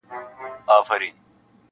د سپوږمۍ سره یې پټ د میني راز دی,